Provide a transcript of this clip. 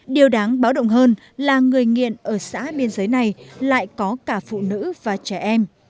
điều đáng báo động hơn là người nghiện ở xã biên giới này lại có cả phụ nữ và trẻ em